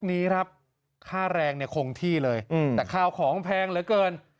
นี้ครับค่าแรงเนี่ยคงที่เลยแต่ข้าวของแพงเหลือเกิน